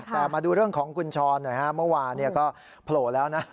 แต่มาดูเรื่องของคุณช้อนหน่อยฮะเมื่อวานก็โผล่แล้วนะ